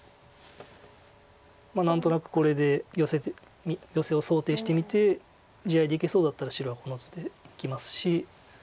何となくこれでヨセを想定してみて地合いでいけそうだったら白はこの図でいきますし。